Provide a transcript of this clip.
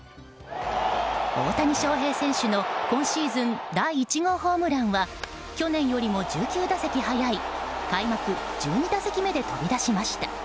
大谷翔平選手の今シーズン第１号ホームランは去年よりも１９打席早い開幕１２打席目で飛び出しました。